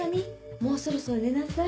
もうそろそろ寝なさい。